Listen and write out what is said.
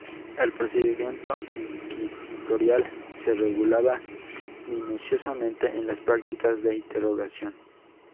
El procedimiento inquisitorial se regulaba minuciosamente en las prácticas de interrogación.